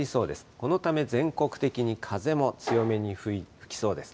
このため、全国的に風も強めに吹きそうです。